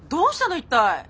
一体。